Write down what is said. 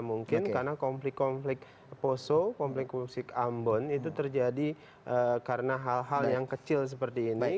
mungkin karena konflik konflik poso konflik konflik ambon itu terjadi karena hal hal yang kecil seperti ini